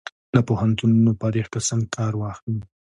له پوهنتونونو فارغ کسان کار واخلي.